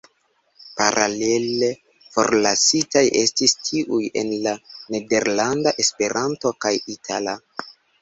Paralele, forlasitaj estis tiuj en la nederlanda, Esperanto kaj itala.